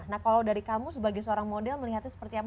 nah kalau dari kamu sebagai seorang model melihatnya seperti apa